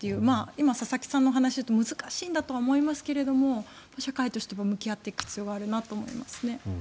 今、佐々木さんの話だと難しいんだと思いますが社会として向き合っていく必要があるなと思いますね。